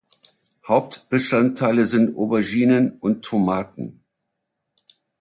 Hauptbestandteile sind Auberginen und Tomaten.